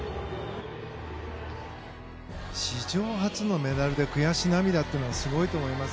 史上初のメダルで悔し涙ってすごいと思います。